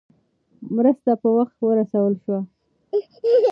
مرسته په وخت ورسول شوه.